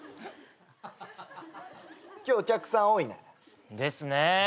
今日お客さん多いね。ですね。